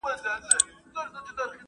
ځيني اصطلاحات تر نورو زيات پېچلي دي.